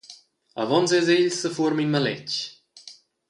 Avon ses egls sefuorma in maletg.